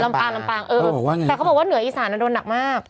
ลำปลาเออเขาบอกว่าไงแต่เขาบอกว่าเหนืออีสานอะโดนหนักมาก